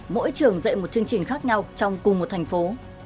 mỗi trường dạy một chương trình khác nhau trong cùng một thành phố